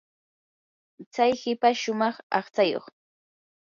chay hipash shumaq aqchayuq.